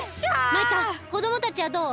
マイカこどもたちはどう？